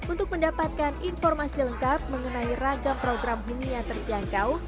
untuk mendapatkan informasi lengkap mengenai ragam program bumi yang terjangkau